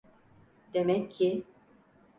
Demek ki…